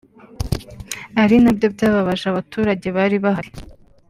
ari nabyo byababaje abaturage bari bahari”